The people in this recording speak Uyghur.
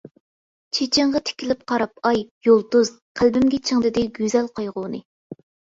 چېچىڭغا تىكىلىپ قاراپ ئاي، يۇلتۇز، قەلبىمگە چىڭدىدى گۈزەل قايغۇنى.